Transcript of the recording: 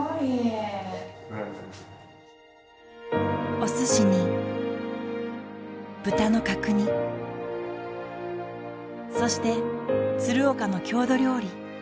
おすしに豚の角煮そして鶴岡の郷土料理